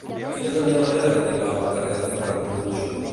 Quina és la millor manera d'arribar al carrer de Ferran Puig?